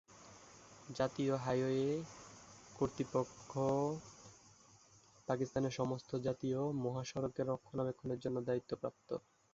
জাতীয় হাইওয়ে কর্তৃপক্ষ পাকিস্তানের সমস্ত জাতীয় মহাসড়কের রক্ষণাবেক্ষণের জন্য দায়িত্বপ্রপ্ত।